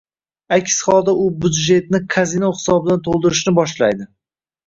Aks holda, u byudjetni kazino hisobidan to'ldirishni boshlaydi